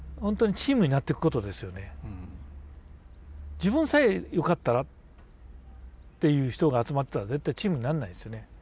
自分さえよかったらっていう人が集まったら絶対チームになんないですよね。